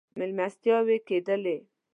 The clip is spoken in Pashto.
مېلمستیاوې کېدلې.